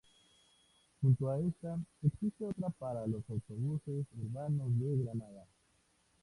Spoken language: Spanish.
Junto a esta, existe otra para los autobuses urbanos de Granada.